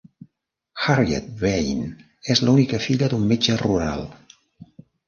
Harriet Vane és l'única filla d'un metge rural.